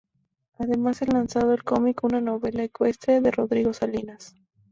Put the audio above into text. Además es lanzado el cómic "Una Novela Ecuestre" de Rodrigo Salinas.